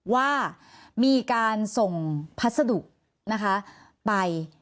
ว่ามีการส่งพัสดุนะคะไป